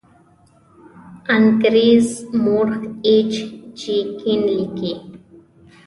انګریز مورخ ایچ جي کین لیکي.